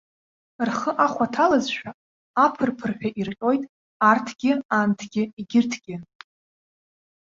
Рхы ахәа ҭалазшәа аԥырԥырҳәа ирҟьоит арҭгьы, анҭгьы, егьыргьы.